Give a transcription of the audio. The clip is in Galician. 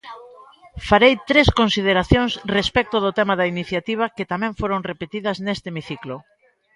Farei tres consideracións respecto do tema da iniciativa que tamén foron repetidas neste hemiciclo.